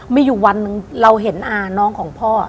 มีอยู่วันหนึ่งเราเห็นอาน้องของพ่อ